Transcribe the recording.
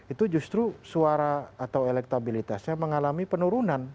itu justru suara atau elektabilitasnya mengalami penurunan